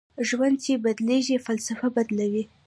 ژوند چې بدلېږي فلسفه بدلوي